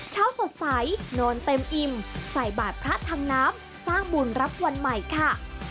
เช้าสดใสนอนเต็มอิ่มใส่บาทพระทางน้ำสร้างบุญรับวันใหม่ค่ะ